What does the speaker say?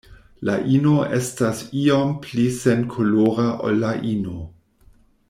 La ino estas iom pli senkolora ol la ino.